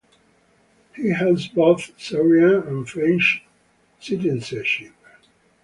He has both Serbian and French citizenship.